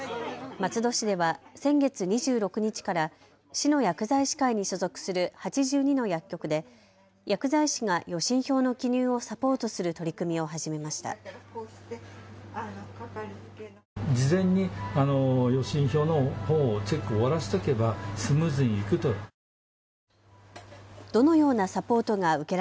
松戸市では先月２６日から市の薬剤師会に所属する８２の薬局で薬剤師が予診票の記入をサポートする取り組みを始めました。